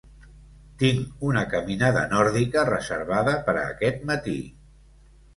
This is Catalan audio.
Tinc una caminada nòrdica reservada per a aquest matí.